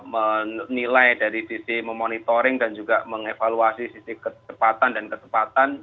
penilai dari sisi memonitoring dan juga mengevaluasi sisi ketepatan dan ketepatan